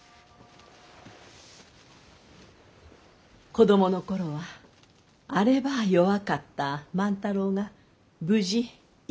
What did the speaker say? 子供の頃はあればあ弱かった万太郎が無事生き長らえた。